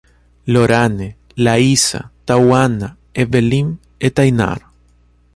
Lorane, Laíssa, Tauana, Evelim e Tainar